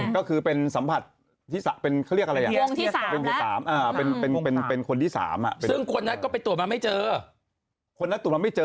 ก็คือเป็นสัมผัสที่๓แล้วก็ไปตรวจมาไม่เจอ